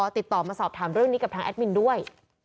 ติดต่อมาสอบถามเรื่องนี้กับทางแอดมินด้วย